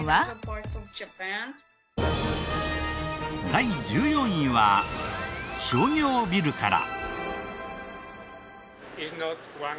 第１４位は商業ビルから。